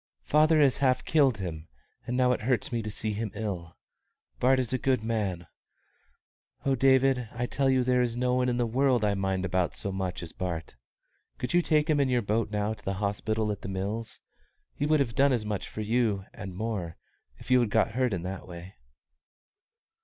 "Father has half killed him, and now it hurts me to see him ill. Bart is a good man. O David, I tell you there is no one in the world I mind about so much as Bart. Could you take him in your boat now to the hospital at The Mills? He would have done as much for you, and more, if you had got hurt in that way."